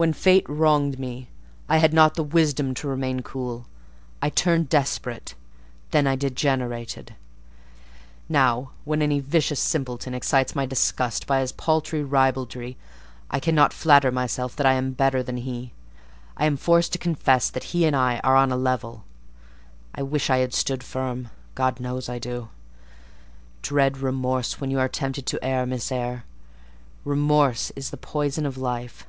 When fate wronged me, I had not the wisdom to remain cool: I turned desperate; then I degenerated. Now, when any vicious simpleton excites my disgust by his paltry ribaldry, I cannot flatter myself that I am better than he: I am forced to confess that he and I are on a level. I wish I had stood firm—God knows I do! Dread remorse when you are tempted to err, Miss Eyre; remorse is the poison of life."